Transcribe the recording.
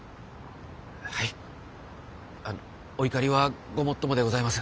お怒りはごもっともでございます。